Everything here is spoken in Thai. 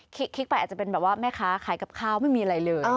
คิดไปอาจจะเป็นแบบว่าแม่ค้าขายกับข้าวไม่มีอะไรเลย